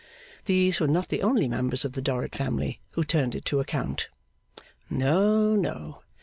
These were not the only members of the Dorrit family who turned it to account. No, no.